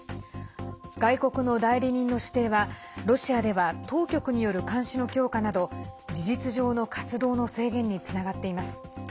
外国の代理人の指定はロシアでは当局による監視の強化など事実上の活動の制限につながっています。